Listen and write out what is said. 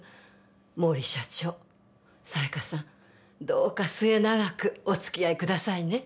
毛利社長紗耶香さんどうか末永くお付き合いくださいね。